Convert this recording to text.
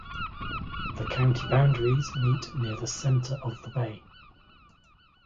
The county boundaries meet near the center of the bay.